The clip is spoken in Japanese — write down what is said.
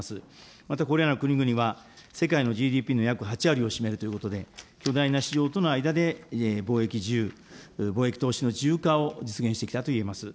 またこれらの国々は、世界のＧＤＰの約８割を占めるということで、巨大な市場との間で貿易、自由、貿易投資の自由化を実現してきたといえます。